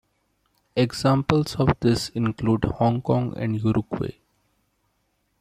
Examples of this include Hong Kong and Uruguay.